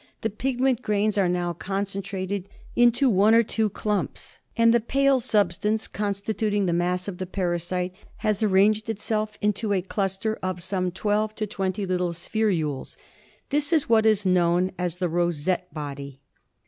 The pigment grains are now concentrated into one or two clumps, and the pale substance constituting the mass of the parasite has arranged itself into a cluster of some twelve to twenty little spherules. This is what is known as the rosette body.